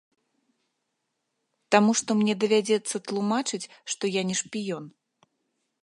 Таму што мне давядзецца тлумачыць, што я не шпіён.